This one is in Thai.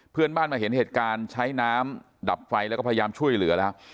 เพื่อนบ้านมาเห็นเหตุการณ์ใช้น้ำดับไฟแล้วก็พยายามช่วยเหลือแล้ว